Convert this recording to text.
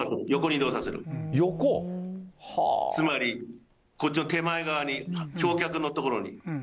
つまりこっちの手前側に、橋脚の所に。